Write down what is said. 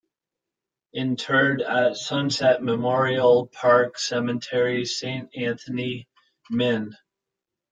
Interred at Sunset Memorial Park Cemetery, Saint Anthony, Minn.